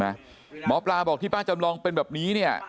หมอปลาบอกที่ป้าจำลองเป็นแบบนี้เนี่ย